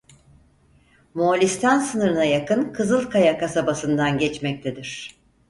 Moğolistan sınırına yakın Kızılkaya kasabasından geçmektedir.